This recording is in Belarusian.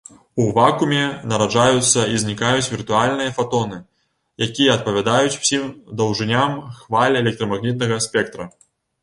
У вакууме нараджаюцца і знікаюць віртуальныя фатоны, якія адпавядаюць усім даўжыням хваль электрамагнітнага спектра.